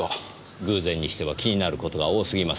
偶然にしては気になる事が多すぎます。